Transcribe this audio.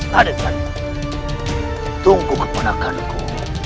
raden tunggu kepenegakanku